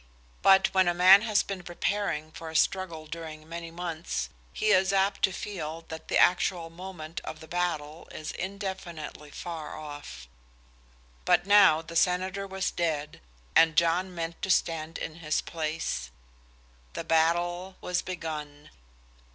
But when a man has been preparing for a struggle during many months, he is apt to feel that the actual moment of the battle is indefinitely far off. But now the senator was dead, and John meant to stand in his place. The battle was begun.